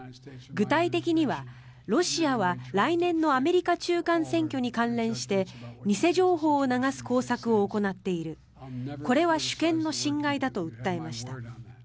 具体的には、ロシアは来年のアメリカ中間選挙に関連して偽情報を流す工作を行っているこれは主権の侵害だと訴えました。